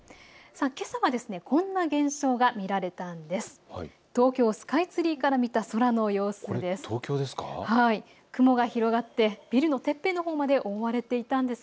けさはこんな現象が見られたんです。